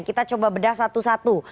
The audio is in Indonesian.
kita coba bedah satu satu